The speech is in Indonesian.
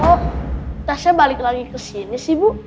oh tasya balik lagi kesini sih bu